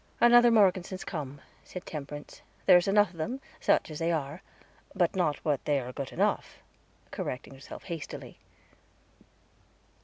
"Another Morgeson's come," said Temperance. "There's enough of them, such as they are not but what they are good enough," correcting herself hastily.